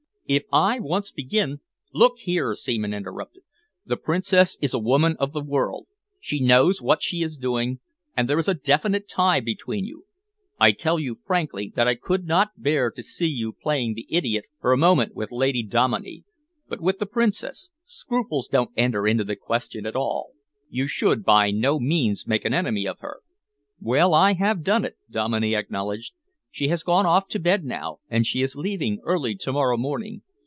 "If I once begin " "Look here," Seaman interrupted, "the Princess is a woman of the world. She knows what she is doing, and there is a definite tie between you. I tell you frankly that I could not bear to see you playing the idiot for a moment with Lady Dominey, but with the Princess, scruples don't enter into the question at all. You should by no means make an enemy of her." "Well, I have done it," Dominey acknowledged. "She has gone off to bed now, and she is leaving early to morrow morning.